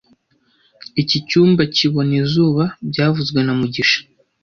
Iki cyumba kibona izuba byavuzwe na mugisha